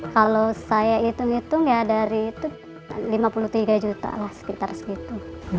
kalau saya hitung hitung ya dari itu lima puluh tiga juta lah sekitar segitu